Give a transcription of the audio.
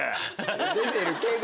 出てるけど！